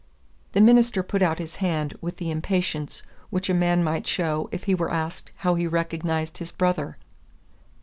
The minister put out his hand with the impatience which a man might show if he were asked how he recognized his brother.